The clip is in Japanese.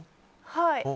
はい。